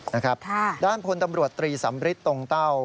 นะครับด้านพลตำรวจตรีสำริทตรงเต้า